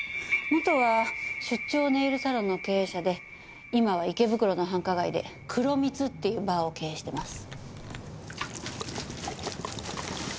元は出張ネイルサロンの経営者で今は池袋の繁華街で黒蜜っていうバーを経営してます。